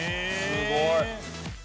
すごい。